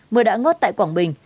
mưa đã ngất tại quảng bình